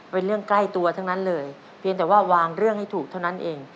เป็นเรื่องใกล้ตัวทั้งนั้นเลยเพียงแต่ว่าวางเรื่องให้ถูกเท่านั้นเอง